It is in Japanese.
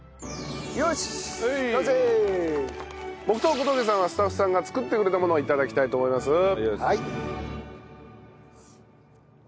僕と小峠さんはスタッフさんが作ってくれたものを頂きたいと思います。